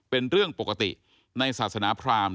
เป็นเรื่องปกติในศาสนาพราม